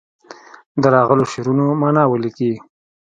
د راغلو شعرونو معنا ولیکي.